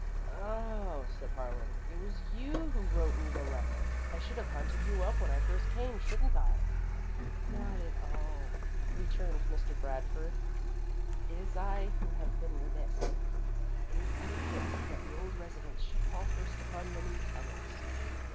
"Oh," said Harlan, "it was you who wrote me the letter. I should have hunted you up when I first came, shouldn't I?" "Not at all," returned Mr. Bradford. "It is I who have been remiss. It is etiquette that the old residents should call first upon the newcomers.